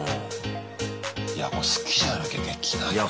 いやこれ好きじゃなきゃできないね。